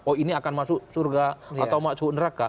oh ini akan masuk surga atau masuk neraka